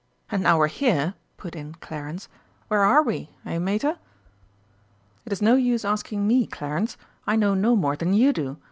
"And now we're here," put in Clarence, "where are we, eh, Mater?" "It is no use asking me, Clarence. I know no more than you do.